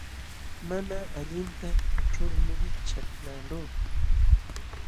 Mana allinta kaćhulmi chaklaqluu.